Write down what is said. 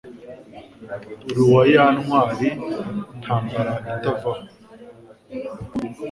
Uri uwa ya ntwari Ntambara itava ho